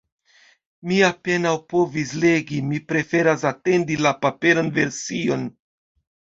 Mi apenaŭ povis legi, mi preferas atendi la paperan version.